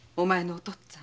お父っつぁん